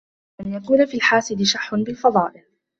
أَنْ يَكُونَ فِي الْحَاسِدِ شُحٌّ بِالْفَضَائِلِ